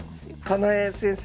金井先生？